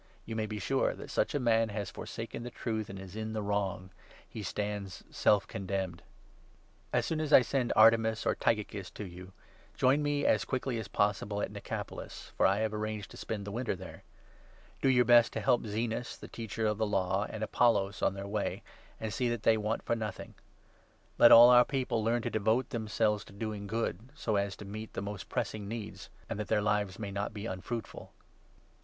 You may be sure that such a 11 man has forsaken the Truth and is in the wrong ; he stands self condemned. III. — CONCLUSION. Farewell As soon as I send Artemas or Tychicus to you, 12 Massages and join me as quickly as possible at Nicopolis, for I Blessing, j^yg arranged to spend the winter there. Do 13 your best to help Zenas, the Teacher of the Law, and Apollos, on their way, and see that they want for nothing. Let 14 all our People learn to devote themselves to doing good, so as to meet the most pressing needs, and that their lives may not be unfruitful.